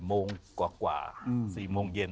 ๔โมงเย็นแล้วก็ออกไปหาอะไรกินเสร็จเรียบร้อยแล้วกลับเข้ามานอน